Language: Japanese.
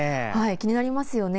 気になりますよね。